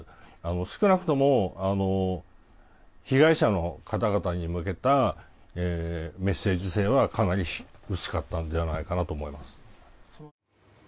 少なくとも被害者の方々に向けたメッセージ性はかなり薄かったんじゃないかと思います。